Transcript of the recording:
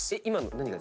何が？